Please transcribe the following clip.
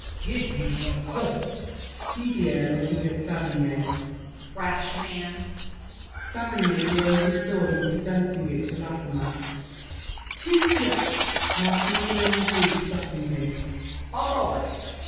Give me your sword. DIDIER (looking at Saverny). Rash man! SAVERNY (drawing his sword and presenting it to Laffemas). 'Tis here! MARQUIS DE NANGIS (stopping him). A moment!